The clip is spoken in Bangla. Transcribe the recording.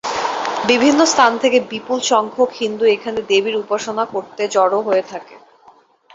বিভিন্ন স্থান থেকে বিপুল সংখ্যক হিন্দু এখানে দেবীর উপাসনা করতে জড়ো হয়ে থাকে।